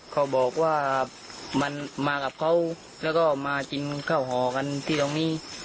เขาบอกว่ามันมากับเขาแล้วก็มากินข้าวห่อกันที่ตรงนี้